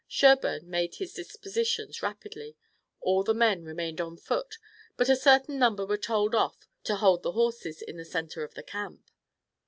Sherburne made his dispositions rapidly. All the men remained on foot, but a certain number were told off to hold the horses in the center of the camp.